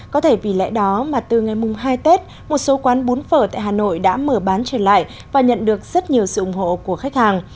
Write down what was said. có thể vì lẽ đó mà từ ngày mùng hai tết một số quán bún phở tại hà nội đã mở bán trở lại và nhận được rất nhiều sự ủng hộ của khách hàng